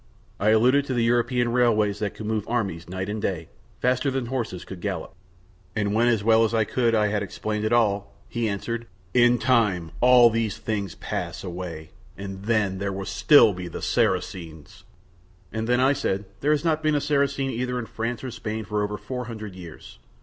I alluded to the European railways that could move armies night and day faster than horses could gallop. And when as well as I could I had explained all, he answered, "In time all these things pass away and then there will still be the Saracens." And then I said, "There has not been a Saracen either in France or Spain for over four hundred years."